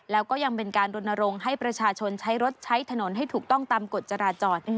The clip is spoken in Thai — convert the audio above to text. แล้วก็ยังเป็นการรณรงค์ให้ประชาชนใช้รถใช้ถนนให้ถูกต้องตามกฎจราจร